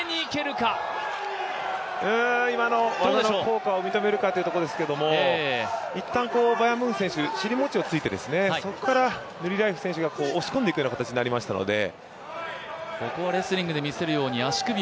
今の技の効果を認めるかというところですが一旦バヤンムンフ選手、尻餅をついてそこからヌリラエフ選手が押し込んでいくような形になりましたので。